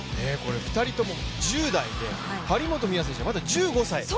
２人とも、１０代で張本美和選手は、まだ１５歳。